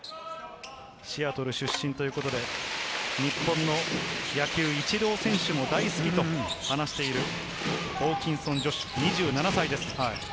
シアトル出身ということで、日本の野球、イチロー選手も大好きと話している、ホーキンソン・ジョシュ、２７歳です。